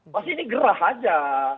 pasti ini gerah aja